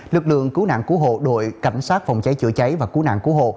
lực lượng cứu nạn cứu hộ đội cảnh sát phòng cháy chữa cháy và cứu nạn cứu hộ